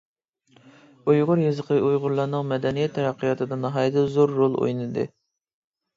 ئۇيغۇر يېزىقى ئۇيغۇرلارنىڭ مەدەنىيەت تەرەققىياتىدا ناھايىتى زور رول ئوينىدى.